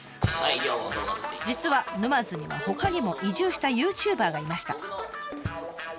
実は沼津にはほかにも移住したユーチューバーがいました。